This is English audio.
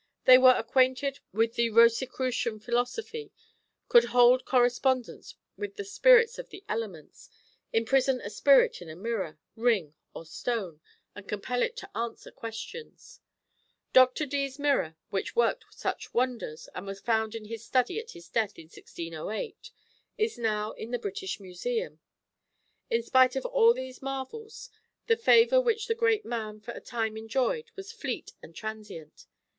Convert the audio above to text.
They were acquainted with the Rosicrucian philosophy, could hold correspondence with the spirits of the elements, imprison a spirit in a mirror, ring, or stone, and compel it to answer questions. Dr. Dee's mirror, which worked such wonders, and was found in his study at his death in 1608, is now in the British Museum. In spite of all these marvels, the favour which the great man for a time enjoyed was fleet and transient.